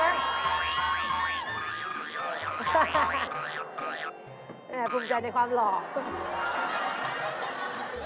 แห่งคุมใจในความหลอก